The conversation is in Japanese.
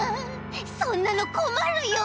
そんなのこまるよ。